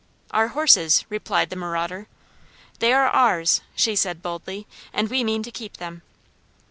"Our horses," replied the marauder. "They are ours," she said boldly, "and we mean to keep them."